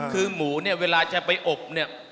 คือหมูเนี่ยเวลาจะไปอบเนี่ย